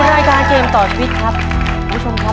รายการเกมต่อชีวิตครับคุณผู้ชมครับ